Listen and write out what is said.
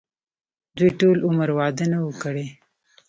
دوي ټول عمر وادۀ نۀ وو کړے